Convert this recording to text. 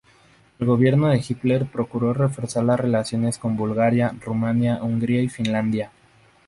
El gobierno de Hitler procuró reforzar las relaciones con Bulgaria, Rumanía, Hungría y Finlandia